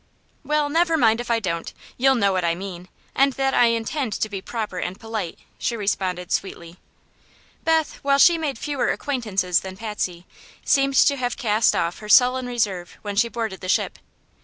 "Well, never mind if I don't; you'll know what I mean, and that I intend to be proper and polite," she responded, sweetly. Beth, while she made fewer acquaintances than Patsy, seemed to have cast off her sullen reserve when she boarded the ship.